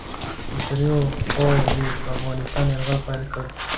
له دریو خواوو یې پر افغانستان یرغل پیل کړ.